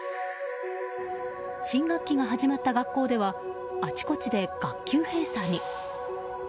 新学期が始まった学校ではあちこちで学級閉鎖に。